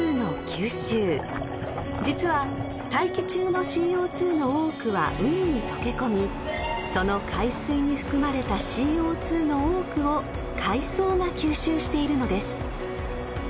［実は大気中のＣＯ２の多くは海に溶け込みその海水に含まれたＣＯ２の多くを海藻が吸収しているのです］